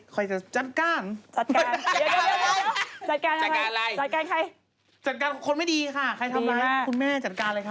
ใครจะจัดการจัดการจัดการนะคะจัดการใครจัดการคนไม่ดีค่ะใครทำร้ายคุณแม่จัดการเลยค่ะ